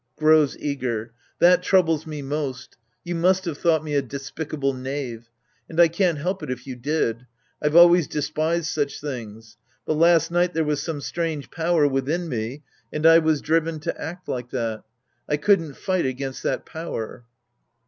{Grows eager.) That troubles me most. You must have thought me a des picable knave. And I can't help it if you did. I've always despised such things. But last night there was some strange power] within me, and I was driven to act like that. I couldn't fight against that power.